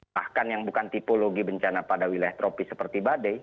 bahkan yang bukan tipologi bencana pada wilayah tropis seperti badai